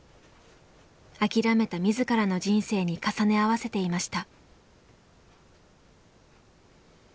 諦めた自らの人生に重ね合わせていました。